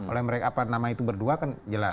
oleh mereka apa nama itu berdua kan jelas